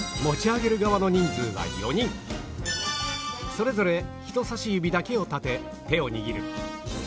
それぞれ人差し指だけを立て手を握る